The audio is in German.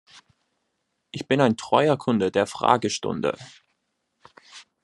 Ich bin ein treuer Kunde der Fragestunde.